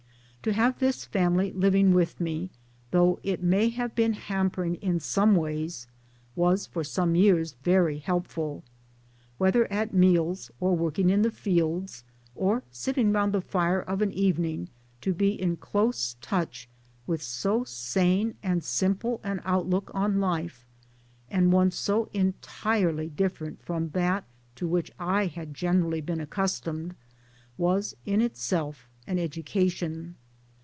To have this family living with me though it may have been hampering in some ways was for some years very helpful. Whether at meals, or working in the fields, or sitting round the fire of an evening, to be in close touch with so sane and simple an outlook on life, and one so entirely different from that to which' I had generally been accustomed, was in itself an education.